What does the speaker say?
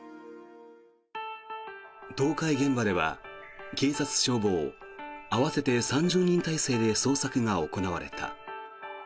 倒壊現場では警察・消防合わせて３０人態勢で捜索が行われた。